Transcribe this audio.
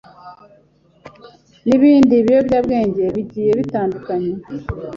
n’ibindi biyobyabwenge bigiye bitandukanye